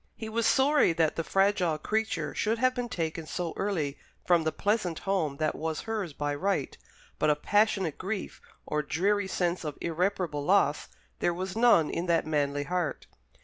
He was sorry that the fragile creature should have been taken so early from the pleasant home that was hers by right, but of passionate grief, or dreary sense of irreparable loss, there was none in that manly heart.